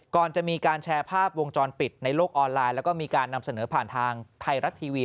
ก่อนจะมีการแชร์ภาพวงจรปิดในโลกออนไลน์แล้วก็มีการนำเสนอผ่านทางไทยรัฐทีวี